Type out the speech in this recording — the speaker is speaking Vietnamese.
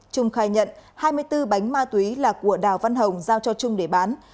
trung khai nhận hai mươi bốn bánh ma túy là của đào văn hồng giao cho trung để bán